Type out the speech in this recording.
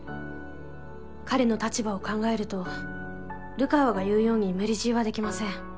彼の立場を考えると流川が言うように無理強いはできません。